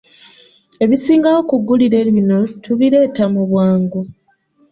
Ebisingawo ku ggulire lino, tubireeta mu bwangu.